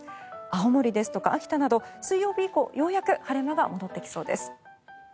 青森ですとか秋田など水曜日以降、ようやく晴れ間が戻ってきそうです。